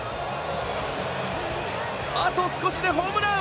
あと少しでホームラン。